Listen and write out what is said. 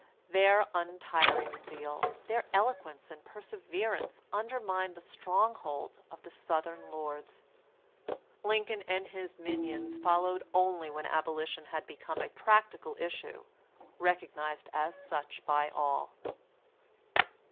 Their untiring zeal, their eloquence and perseverance undermined the stronghold of the Southern lords. Lincoln and his minions followed only when abolition had become a practical issue, recognized as such by all.